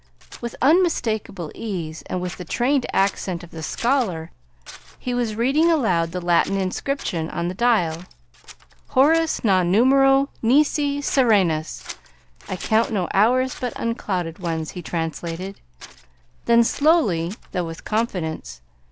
With unmistakable ease, and with the trained accent of the scholar, he was reading aloud the Latin inscription on the dial: "'Horas non numero nisi serenas,' 'I count no hours but unclouded ones,'" he translated then, slowly, though with confidence.